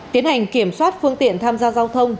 tiến hành kiểm soát phương tiện tham gia giao thông